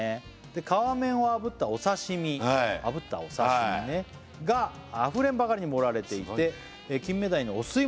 皮面をあぶったお刺身あぶったお刺身ねがあふれんばかりに盛られていてキンメダイのお吸い物